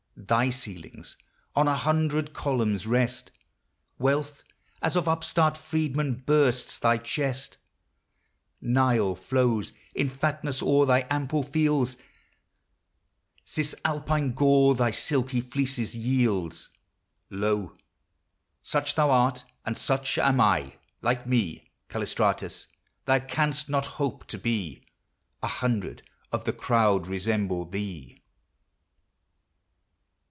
Thy ceilings on a hundred columns rest ; Wealth as of upstart freedman bursts thy chest; Nile flows in fatness o'er thy ample fields ; Cisalpine Gaul thy silky fleeces yields. Lo ! Such thou art, and such am I : like me, Callistratus ! thou canst not hope to be ; A hundred of the crowd resemble thee